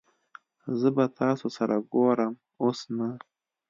زه به تاسو سره ګورم اوس نه